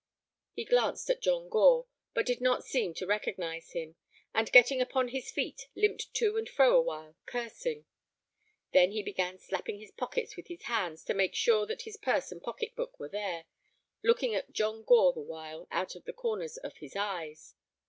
He glanced at John Gore, but did not seem to recognize him, and, getting upon his feet, limped to and fro awhile, cursing. Then he began slapping his pockets with his hands to make sure that his purse and pocket book were there, looking at John Gore the while out of the corners of his eyes.